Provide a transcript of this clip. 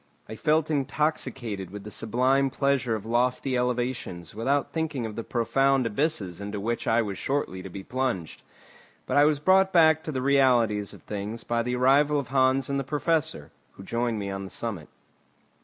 I felt intoxicated with the sublime pleasure of lofty elevations without thinking of the profound abysses into which I was shortly to be plunged. But I was brought back to the realities of things by the arrival of Hans and the Professor, who joined me on the summit.